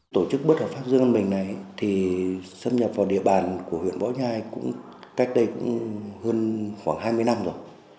tổ chức bất hợp pháp dương văn bình này thì xâm nhập vào địa bàn của huyện võ nhai cách đây cũng hơn khoảng hai mươi năm rồi